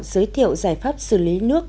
giới thiệu giải pháp xử lý nước